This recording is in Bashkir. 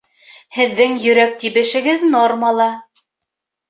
Һеҙҙең йөрәк тибешегеҙ нормала